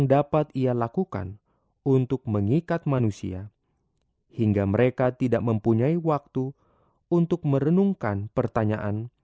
sampai jumpa di video selanjutnya